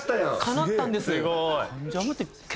かなったんです！